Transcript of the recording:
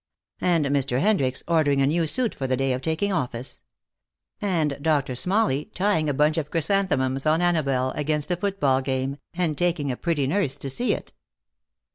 And Mr. Hendricks ordering a new suit for the day of taking office. And Doctor Smalley tying a bunch of chrysanthemums on Annabelle, against a football game, and taking a pretty nurse to see it.